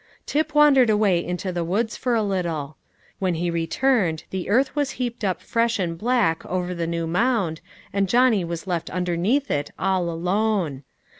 Tip wandered away into the woods for a little. When he returned the earth was heaped up fresh and black over the new mound, and Johnny was left underneath it all alone.